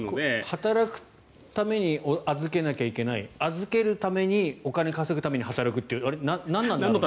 働くために預けなきゃいけない預けるためにお金を稼ぐために働くという何なんだろうと。